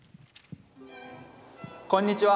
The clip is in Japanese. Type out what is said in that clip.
こんにちは。